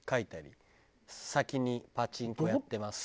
「先にパチンコやってます」。